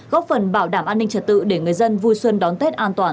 góp phần bảo đảm an ninh trật tự để người dân vui xuân đón tết an toàn